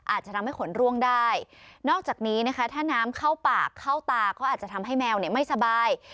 อาจจะทำให้ขนร่วงได้นอกจากนี้นะคะถ้าน้ำเข้าปากเข้าตาก็อาจจะทำให้แมวเนี่ยไม่สบาย